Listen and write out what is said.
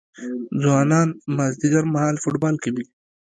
ځوانان مازدیګر مهال فوټبال کوي.